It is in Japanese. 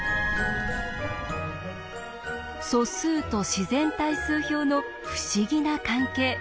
素数と自然対数表の不思議な関係。